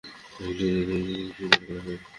এক ঢিলে দুই পাখি শিকার হবে।